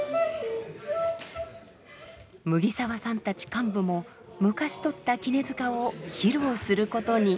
麥澤さんたち幹部も昔取ったきねづかを披露することに。